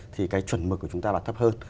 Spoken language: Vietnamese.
thì chuẩn mực của chúng ta là thấp hơn